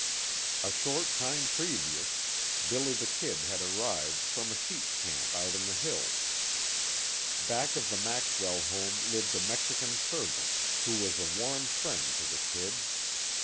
A short time previous, "Billy the Kid" had arrived from a sheep camp out in the hills. Back of the Maxwell home lived a Mexican servant, who was a warm friend to the "Kid."